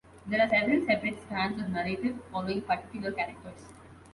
There are several separate strands of narrative following particular characters.